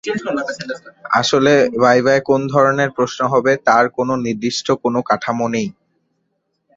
আসলে ভাইভায় কোন ধরনের প্রশ্ন হবে, তার নির্দিষ্ট কোনো কাঠামো নেই।